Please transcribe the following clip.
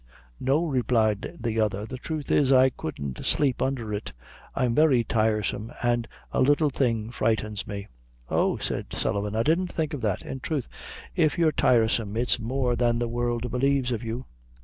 "No," replied the other. "The truth is, I couldn't sleep under it. I'm very timersome, an' a little thing frightens me." "Oh," said Sullivan, "I didn't think of that: in troth, if you're timersome, it's more than the world b'lieves of you.